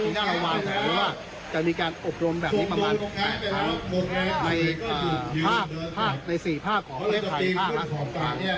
ทีหน้าเราวางแบบนี้ว่าจะมีการอบรมแบบนี้ประมาณในภาพภาพในสี่ภาพของไทยภาพครับ